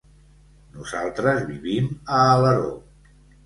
Nosaltres vivim a Alaró.